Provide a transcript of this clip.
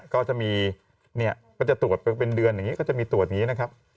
ก็จะมีเนี่ยก็จะตรวจเป็นเดือนอย่างนี้ก็จะมีตรวจอย่างนี้นะครับ